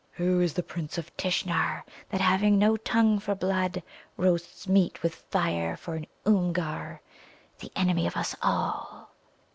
"Who is this Prince of Tishnar that, having no tongue for blood, roasts meat with fire for an Oomgar, the enemy of us all?"